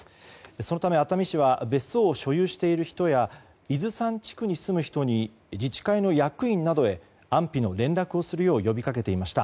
そのため、熱海市は別荘を所有している人や伊豆山地区に住む人に自治会の役員などへ安否の確認をするよう呼び掛けていました。